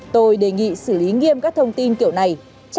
tôi đề nghị xử lý nghiêm các thông tin kiểu này